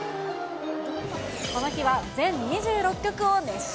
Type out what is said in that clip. この日は全２６曲を熱唱。